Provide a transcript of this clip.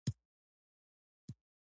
هغه هغې ته د سپین محبت ګلان ډالۍ هم کړل.